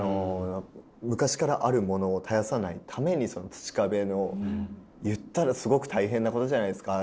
昔からあるものを絶やさないために土壁の言ったらすごく大変なことじゃないですか。